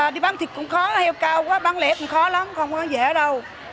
đi bán thịt cũng khó heo cao quá bán lẻ cũng khó lắm không dễ đâu